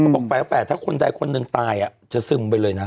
บอกแฝดถ้าคนใดคนหนึ่งตายจะซึมไปเลยนะ